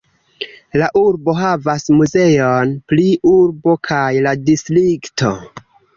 La urbo havas muzeon pri urbo kaj la distrikto.